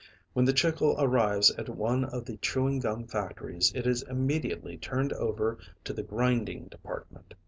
When the chicle arrives at one of the chewing gum factories it is immediately turned over to the grinding department.